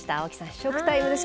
試食タイムです。